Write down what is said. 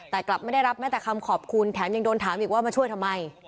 แต่กลับไม่ได้รับแม้แต่คำขอบคุณแถมยังโดนถามอีกว่ามาช่วยทำไม